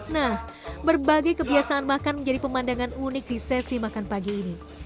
nah berbagai kebiasaan makan menjadi pemandangan unik di sesi makan pagi ini